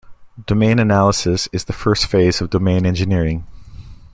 Domain analysis is the first phase of domain engineering.